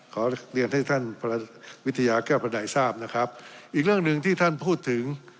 ขอเรียนให้ท่านวิทยาแก้บันไดทราบนะครับอีกเรื่องหนึ่งที่ท่านพูดถึง